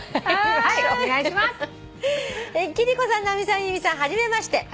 「貴理子さん直美さん由美さん初めまして」